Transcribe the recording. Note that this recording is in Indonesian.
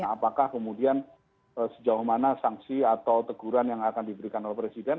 apakah kemudian sejauh mana sanksi atau teguran yang akan diberikan oleh presiden